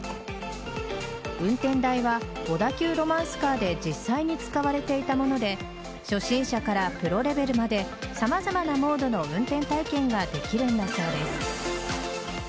運転台は小田急ロマンスカーで実際に使われていたもので初心者からプロレベルまで様々なモードの運転体験ができるんだそうです。